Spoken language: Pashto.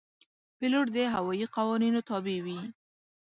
پیلوټ د هوايي قوانینو تابع وي.